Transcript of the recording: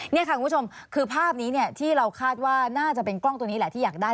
นี่ค่ะคุณผู้ชมคือภาพนี้ที่เราคาดว่าน่าจะเป็นกล้องตัวนี้แหละที่อยากได้